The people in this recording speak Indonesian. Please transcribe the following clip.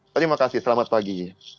terima kasih selamat pagi